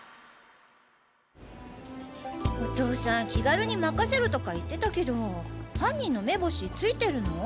お父さん気軽に任せろとか言ってたけど犯人の目星ついてるの？